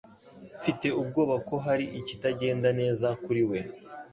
Mfite ubwoba ko hari ikitagenda neza kuri we.